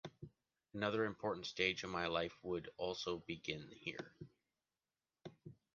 Another important stage of my life would also begin here.